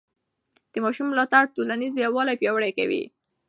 د ماشوم ملاتړ ټولنیز یووالی پیاوړی کوي.